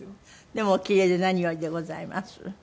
でもお奇麗で何よりでございます。